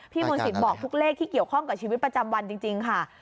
มนศิษย์บอกทุกเลขที่เกี่ยวข้องกับชีวิตประจำวันจริงค่ะ